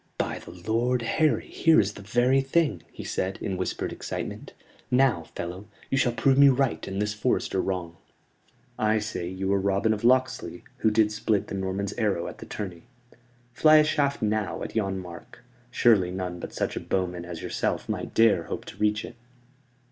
"By the Lord Harry, here is the very thing," he said, in whispered excitement. "Now, fellow, you shall prove me right and this forester wrong. I say you are Robin of Locksley, who did split the Norman's arrow at the tourney. Fly a shaft now at yon mark; surely none but such a bowman as yourself might dare hope to reach it."